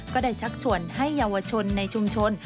ชักชวนให้เยาวชนในชุมชน